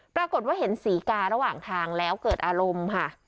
ปรากฏว่าเห็นศรีการะหว่างทางแล้วเกิดอารมณ์ค่ะ